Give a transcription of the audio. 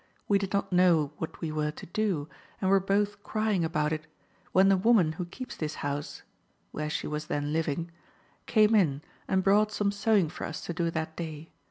We did not know what we were to do, and were both crying about it, when the woman who keeps this house (where she was then living) came in and brought some sewing for us to do that day.